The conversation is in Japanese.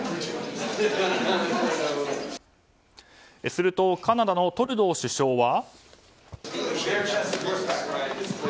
するとカナダのトルドー首相は。